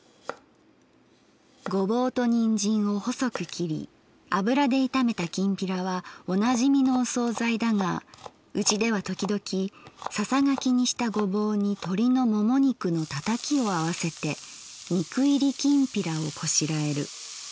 「ごぼうとにんじんを細く切り油で炒めたきんぴらはおなじみのおそうざいだがうちではときどきささがきにしたごぼうにとりのもも肉のたたきをあわせて肉いりきんぴらをこしらえる。